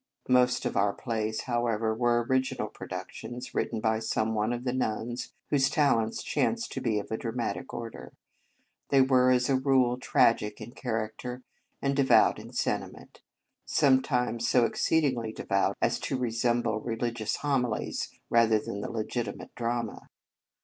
Most of our plays, however, were original productions, written by some one of the nuns whose talents chanced to be of a dramatic order. They were, as a rule, tragic in character, and devout in sentiment, sometimes so exceed ingly devout as to resemble religious homilies rather than the legitimate drama.